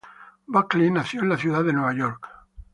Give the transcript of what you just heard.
Buckley nació en la Ciudad de Nueva York.